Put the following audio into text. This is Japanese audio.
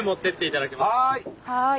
はい！